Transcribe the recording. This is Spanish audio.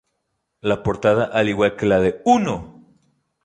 La portada, al igual que la de "¡Uno!